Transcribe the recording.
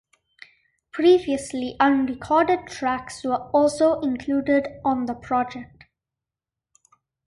Previously unrecorded tracks were also included on the project.